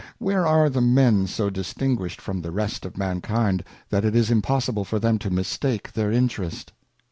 Where are the Men so distinguished from the rest of Mankind, that it is impossible for them to mistake their Interest